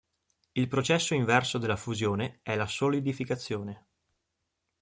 Il processo inverso della fusione è la solidificazione.